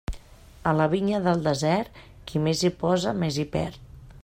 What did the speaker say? A la vinya del desert, qui més hi posa més hi perd.